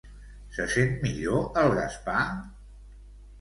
Se sent millor, el Gaspar?